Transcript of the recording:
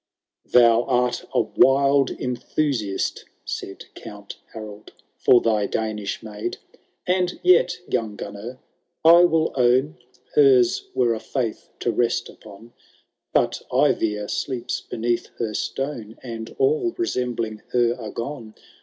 <« Thou art a wild enthusiast, said Count Harold, •• for thy Danish maid ; 1B8 HAROLD THH DAUNTLESS. CaiUo VI, And yet, young Gunnar, I will own Hera were a faith to rest upon. But Eivir sleeps beneath her stone, And all resembling her are gone.